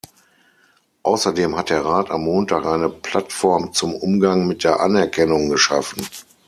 Außerdem hat der Rat am Montag eine Plattform zum Umgang mit der Anerkennung geschaffen.